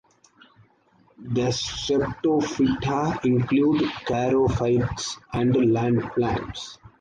The Streptophyta include charophytes and land plants.